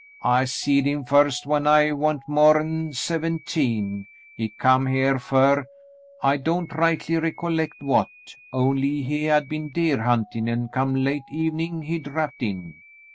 I seed him first when I wa'n't more'n seventeen. He come here fer — I don't rightly recollect what, only he had been deer huntin' an' come late evenin' he drapped in.